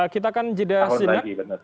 kita akan jeda sedek